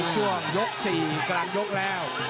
ช่วงยกสี่เกลงยกแล้ว